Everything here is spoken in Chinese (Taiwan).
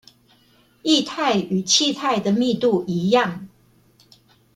液態與氣態的密度一樣